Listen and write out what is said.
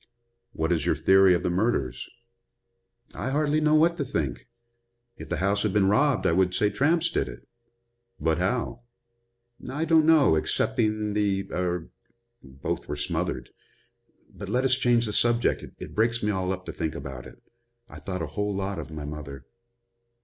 "What is your theory of the murders?" "I hardly know what to think. If the house had been robbed I would say tramps did it." "But how?" "I don't know, excepting the er both were smothered. But let us change the subject. It breaks me all up to think about it. I thought a whole lot of my mother."